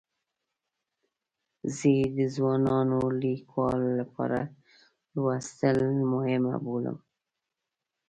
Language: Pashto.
زه یې د ځوانو لیکوالو لپاره لوستل مهم بولم.